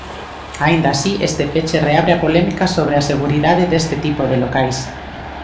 Aínda así este peche reabre a polémica sobre a seguridade deste tipo de locais.